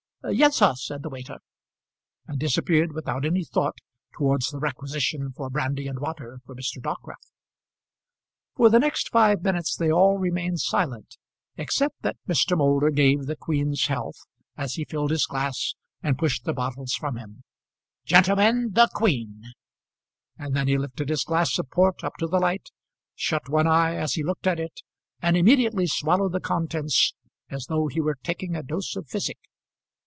"Yes, sir," said the waiter, and disappeared without any thought towards the requisition for brandy and water from Mr. Dockwrath. For the next five minutes they all remained silent, except that Mr. Moulder gave the Queen's health as he filled his glass and pushed the bottles from him. "Gentlemen, the Queen," and then he lifted his glass of port up to the light, shut one eye as he looked at it, and immediately swallowed the contents as though he were taking a dose of physic.